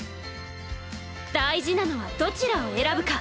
「大事なのはどちらを選ぶか」。